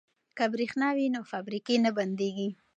که بریښنا وي نو فابریکې نه بندیږي.